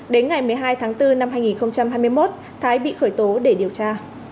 đến ngày một mươi hai tháng bốn năm hai nghìn hai mươi một thái bị khởi tố để điều tra